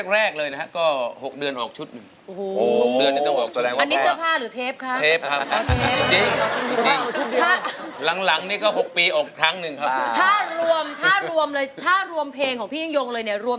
แรกเลยนะครับก็๖เดือนออกชุดหนึ่ง